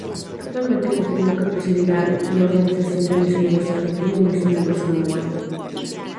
Actualmente, confirmo que presidirá la organización de Miss Universo Argentina y Miss Universo Uruguay.